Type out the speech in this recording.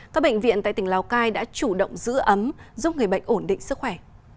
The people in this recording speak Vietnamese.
các bệnh viện tại tỉnh lào cai đã chủ động giữ ấm giúp người bệnh ổn định sức khỏe